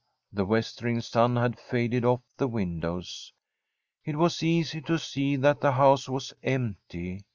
The westering sun had faded off the windows. It was easy to see that the house was empty.